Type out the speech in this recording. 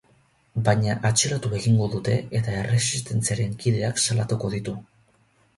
Baina atxilotu egingo dute eta erresistentziaren kideak salatuko ditu.